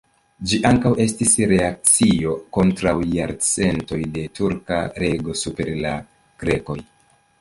Ĝi ankaŭ estis reakcio kontraŭ jarcentoj de turka rego super la grekoj.